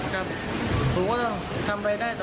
ครับผมก็ต้องทำอะไรได้ต่อไป